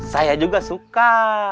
saya juga suka